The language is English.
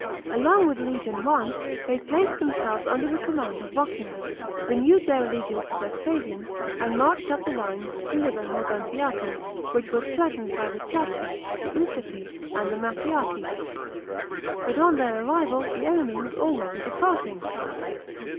Along with legion L, they placed themselves under the command of Vocula, renewed their allegiance to Vespasian, and marched up the Rhine to deliver Moguntiacum, which was threatened by the Chatti, the Usipi, and the Mattiaci. But on their arrival the enemy was already departing.